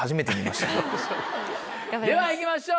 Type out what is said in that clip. では行きましょう。